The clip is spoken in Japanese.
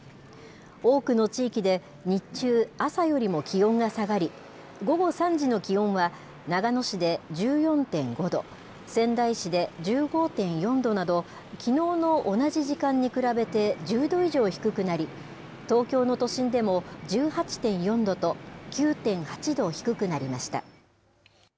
多くの地域で、日中、朝よりも気温が下がり、午後３時の気温は、長野市で１４．５度、仙台市で１５．４度など、きのうの同じ時間に比べて１０度以上低くなり、東京都の都心でも１８．４度と、９．８度低くなりました。